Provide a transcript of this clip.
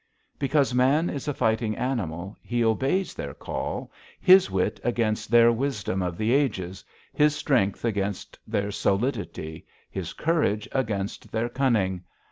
Because man is a fighting animal, he obeys their call, his wit against their wisdom of the ages, his strength against their solidity, his courage against their cunning.